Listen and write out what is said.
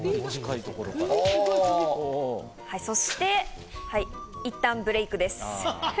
そして、いったんブレイクです。